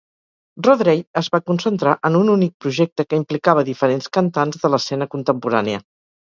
Rotheray es va concentrar en un únic projecte que implicava diferents cantants de l'escena contemporània.